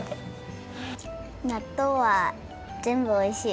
なっとうはぜんぶおいしい。